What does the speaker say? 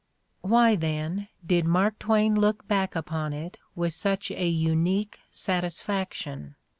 Why, then, did Mark Twain look back upon it with such a unique satisfaction?